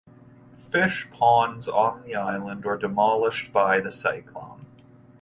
Fish ponds on the island were demolished by the cyclone.